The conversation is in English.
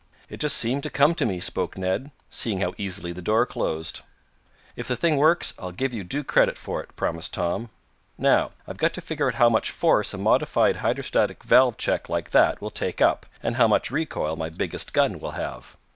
"It just seemed to come to me," spoke Ned, "seeing how easily the door closed." "If the thing works I'll give you due credit for it," promised Tom. "Now, I've got to figure out how much force a modified hydrostatic valve check like that will take up, and how much recoil my biggest gun will have."